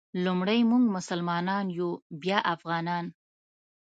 لومړی مونږ مسلمانان یو بیا افغانان.